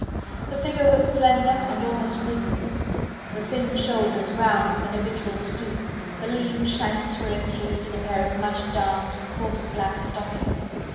The figure was slender and almost wizened, the thin shoulders round with an habitual stoop, the lean shanks were encased in a pair of much darned, coarse black stockings.